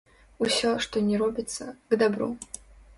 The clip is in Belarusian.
Усё, што не робіцца, к дабру.